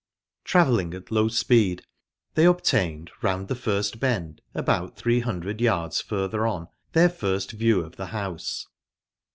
Travelling at low speed, they obtained round the first bend, about three hundred yards further on, their first view of the house.